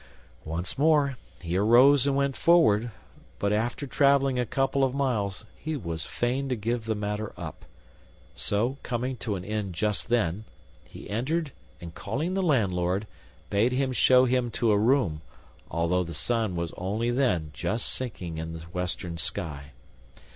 Once more he arose and went forward, but after traveling a couple of miles he was fain to give the matter up, so, coming to an inn just then, he entered and calling the landlord, bade him show him to a room, although the sun was only then just sinking in the western sky.